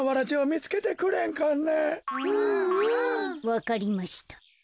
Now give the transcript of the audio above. わかりました。